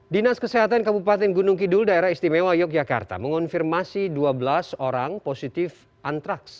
dinas kesehatan kabupaten gunung kidul daerah istimewa yogyakarta mengonfirmasi dua belas orang positif antraks